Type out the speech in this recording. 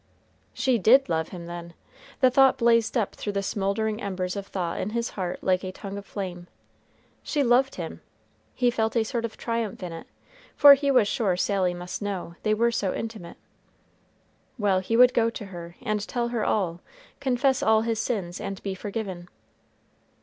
"She did love him, then!" The thought blazed up through the smouldering embers of thought in his heart like a tongue of flame. She loved him! He felt a sort of triumph in it, for he was sure Sally must know, they were so intimate. Well, he would go to her, and tell her all, confess all his sins, and be forgiven.